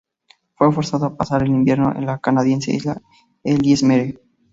Fue forzado a pasar el invierno en la canadiense isla Ellesmere.